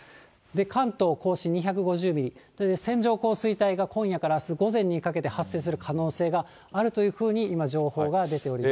関東甲信２５０ミリ、線状降水帯が今夜からあす午前にかけて、発生する可能性があるというふうに今、情報が出ております。